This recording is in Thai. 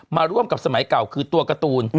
มาร่วมกับสมัยเก่าคือตัวการ์ตูน